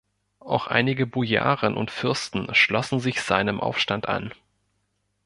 Auch einige Bojaren und Fürsten schlossen sich seinem Aufstand an.